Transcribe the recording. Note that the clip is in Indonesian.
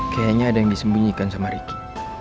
kayaknya ada yang disembunyikan sama ricky